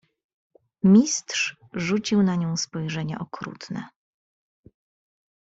"Mistrz rzucił na nią spojrzenie okrutne."